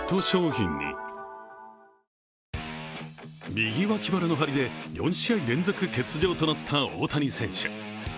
右脇腹の張りで４試合連続欠場となった大谷選手。